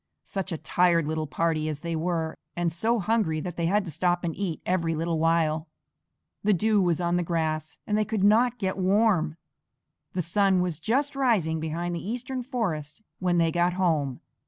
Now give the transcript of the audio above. Such a tired little party as they were, and so hungry that they had to stop and eat every little while. The dew was on the grass and they could not get warm. The sun was just rising behind the eastern forest when they got home.